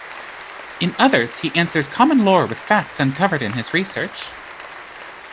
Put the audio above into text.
In others, he answers common lore with facts uncovered in his research.